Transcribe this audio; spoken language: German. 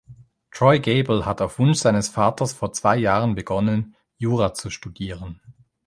Troy Gable hat auf Wunsch seines Vaters vor zwei Jahren begonnen, Jura zu studieren.